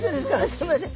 すいません。